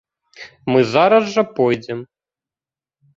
Мы зараз жа пойдзем.